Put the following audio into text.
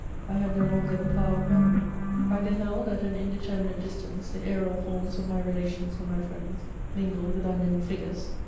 I had no longer the power of memory; I beheld at an indeterminate distance the aerial forms of my relations and my friends, mingled with unknown figures.